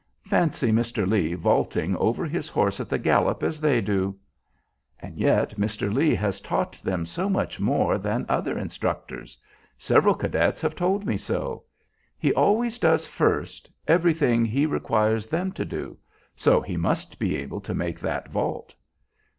"Fancy Mr. Lee vaulting over his horse at the gallop as they do." "And yet Mr. Lee has taught them so much more than other instructors. Several cadets have told me so. He always does, first, everything he requires them to do; so he must be able to make that vault."